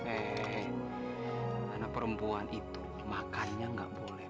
eh anak perempuan itu makannya nggak boleh